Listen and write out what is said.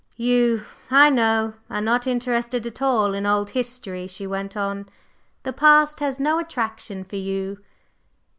"You, I know, are not interested at all in old history," she went on. "The past has no attraction for you."